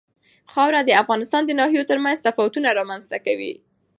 خاوره د افغانستان د ناحیو ترمنځ تفاوتونه رامنځ ته کوي.